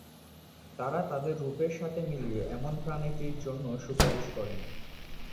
তারা তাদের রূপের সাথে মিলে এমন প্রাণীটির জন্য সুপারিশ করবে।